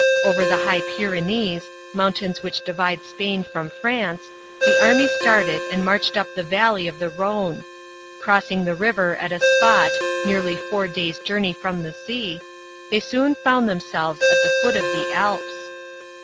Over the high Pyrenees, mountains which divide Spain from France, the army started and marched up the valley of the Ilhone. Crossing the river at a spot " nearly four days' journey from the sea/' they soon found themselves at the foot of the Alps.